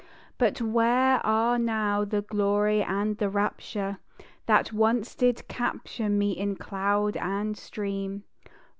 But where are now the Glory and the Rapture, That once did capture me in cloud and stream?